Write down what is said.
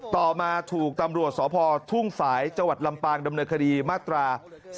ต่อมาถูกตำรวจสพทุ่งฝจลำปางดคมาตรา๓๘๘